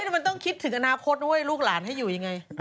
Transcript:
แต่เราต้องคิดถึงอนาคตเลยลูกหลานให้อยู่อย่างไร